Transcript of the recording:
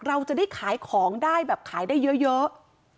เราจะได้ขายของได้แบบขายได้เยอะ